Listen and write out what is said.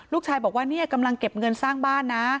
ลูกชายบอกว่าเนี่ยกำลังเก็บเงินสร้างบ้านนะ